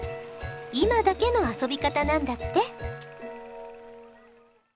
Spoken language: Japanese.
今だけの遊び方なんだって。